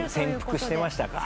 潜伏してましたか。